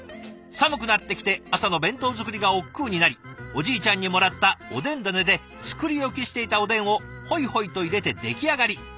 「寒くなってきて朝の弁当作りが億劫になりおじいちゃんにもらったおでんダネで作り置きしていたおでんをほいほいと入れて出来上がり。